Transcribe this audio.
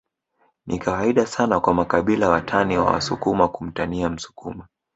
Ni kawaida sana kwa makabila watani wa msukuma kumtania msukuma